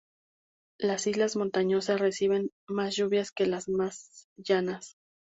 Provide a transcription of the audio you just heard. Las islas montañosas reciben más lluvia que las más llanas.